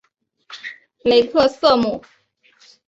雷克瑟姆。